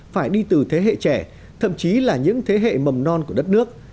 phải đi từ thế hệ trẻ thậm chí là những thế hệ mầm non của đất nước